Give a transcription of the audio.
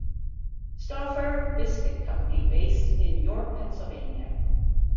Stauffer Biscuit Company based in York, Pennsylvania.